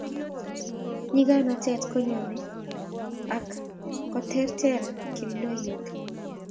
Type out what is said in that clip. Nyikanatet ko nyone ak kotertererkirindoiywek